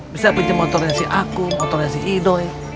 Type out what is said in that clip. bisa pinjem motornya si aku motornya si ido